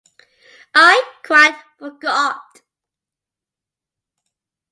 I quite forgot!